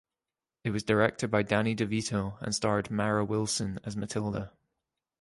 It was directed by Danny DeVito and starred Mara Wilson as Matilda.